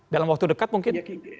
dalam waktu dekat mungkin